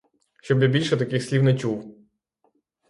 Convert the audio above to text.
Щоб я більше таких слів не чув!